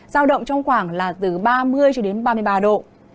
giao động trong khoảng từ ba mươi ba mươi ba độ